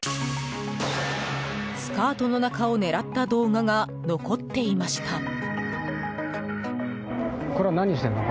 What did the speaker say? スカートの中を狙った動画が残っていました。